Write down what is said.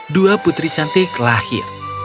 dua putri cantik lahir